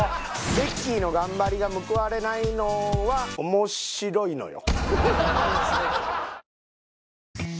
ベッキーの頑張りが報われないのは面白いのよ。